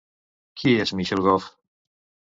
Qui és Michael Gove?